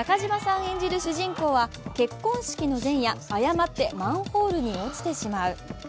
演じる主人公は結婚式の前夜、誤ってマンホールに落ちてしまう。